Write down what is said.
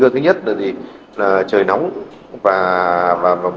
thế tích nó quá nhỏ